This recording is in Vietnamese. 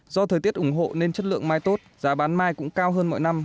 do thời tiết ủng hộ nên chất lượng mai tốt giá bán mai cũng cao hơn mọi năm